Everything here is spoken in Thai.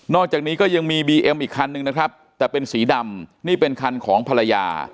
อกจากนี้ก็ยังมีบีเอ็มอีกคันนึงนะครับแต่เป็นสีดำนี่เป็นคันของภรรยา